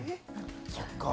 そっか！